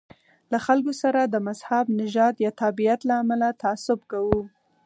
له خلکو سره د مذهب، نژاد یا تابعیت له امله تعصب کوو.